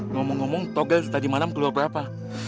ngomong ngomong togel tadi malam keluar berapa